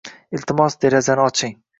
Iltimos, derazani oching